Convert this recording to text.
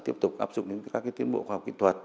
tiếp tục áp dụng những các tiến bộ khoa học kỹ thuật